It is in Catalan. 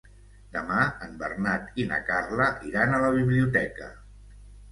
Demà en Bernat i na Carla iran a la biblioteca.